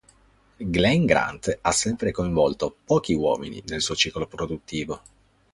Glen Grant ha sempre coinvolto pochi uomini nel suo ciclo produttivo.